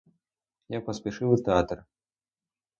Я поспішив у театр.